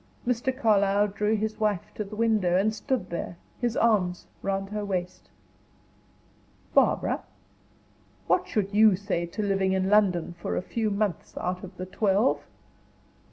Mr. Carlyle drew his wife to the window, and stood there, his arms round her waist. "Barbara, what should you say to living in London for a few months out of the twelve?"